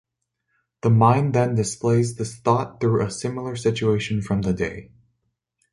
The mind then displays this thought through a similar situation from the day.